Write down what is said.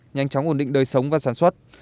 nhanh chóng ổn định đời sống và sản xuất